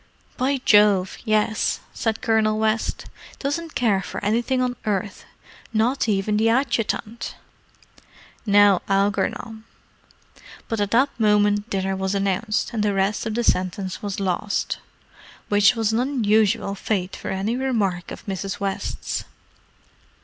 "By Jove, yes!" said Colonel West. "Doesn't care for anything on earth—not even the adjutant!" "Now, Algernon——" But at that moment dinner was announced, and the rest of the sentence was lost—which was an unusual fate for any remark of Mrs. West's.